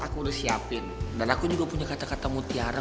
aku udah siapin dan aku juga punya kata kata mutiara